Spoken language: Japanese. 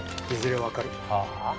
いずれ分かるはあ？